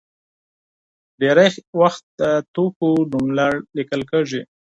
ډېری وخت د توکو نوملړ لیکل کېږي.